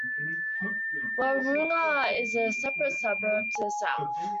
Wahroonga is a separate suburb, to the south.